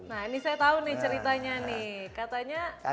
nah ini saya tahu nih ceritanya nih katanya